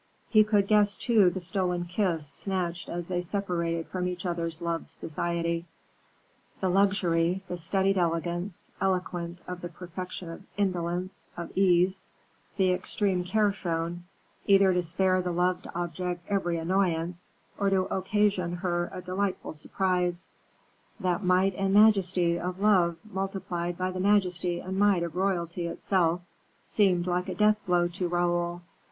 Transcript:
He could guess, too, the stolen kiss snatched as they separated from each other's loved society. The luxury, the studied elegance, eloquent of the perfection of indolence, of ease; the extreme care shown, either to spare the loved object every annoyance, or to occasion her a delightful surprise; that might and majesty of love multiplied by the majesty and might of royalty itself, seemed like a death blow to Raoul.